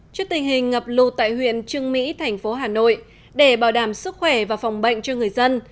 trước tình hình ngập lụt tại huyện trương mỹ thành phố hà nội để bảo đảm sức khỏe và phòng bệnh cho người dân